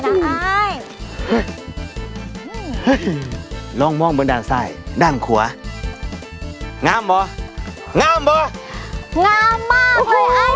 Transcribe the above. เห้ยร่องมองบนดาลทรายดั่งขัวงามเหรองามเหรองามมากเลยอ้ายความ